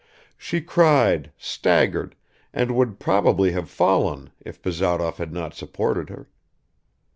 She cried, staggered, and would probably have fallen if Bazarov had not supported her.